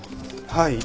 はい。